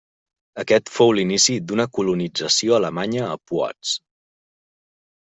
Aquest fou l'inici d'una colonització alemanya a Płock.